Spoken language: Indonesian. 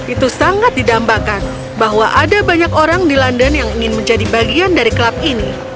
itu sangat didambakan bahwa ada banyak orang di london yang ingin menjadi bagian dari klub ini